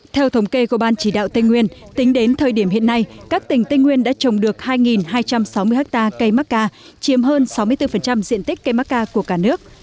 theo thống kê của ban chỉ đạo tây nguyên tính đến thời điểm hiện nay các tỉnh tây nguyên đã trồng được hai hai trăm sáu mươi ha cây mắc ca chiếm hơn sáu mươi bốn diện tích cây macca của cả nước